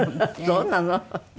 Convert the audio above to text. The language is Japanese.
そうなの？